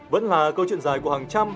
vẫn là câu chuyện dài của hàng trăm